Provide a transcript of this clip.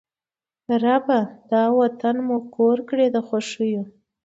ربه! دا وطن مو کور کړې د خوښیو